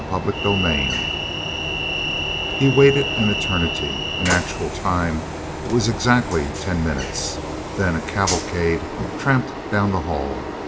CHAPTER 17 He waited an eternity; in actual time it was exactly ten minutes. Then a cavalcade tramped down the hall.